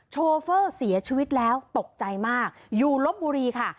โชเฟอร์เสียชีวิตแล้วตกใจมากอยู่ลบบุรีค่ะ